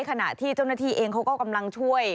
ขณะที่เจ้าหน้าที่เองเขาก็กำลังช่วย